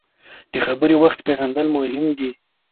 د خبرې وخت پیژندل مهم دي.